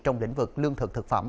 trong lĩnh vực lương thực thực phẩm